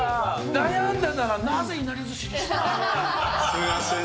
悩んだなら、なぜいなりずしすみません。